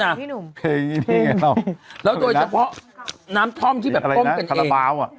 เนี้ยอ่ะแล้วตัวเฉพาะน้ำท่อมที่แบบป้มกันเอง